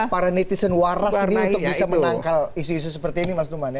para netizen waras ini untuk bisa menangkal isu isu seperti ini mas numan ya